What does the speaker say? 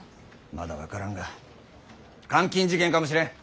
まだ分からんが監禁事件かもしれん。